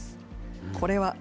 これは。